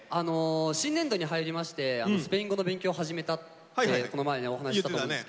新年度に入りましてスペイン語の勉強を始めたってこの前お話ししたと思うんですけど。